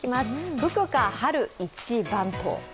吹くか春一番と。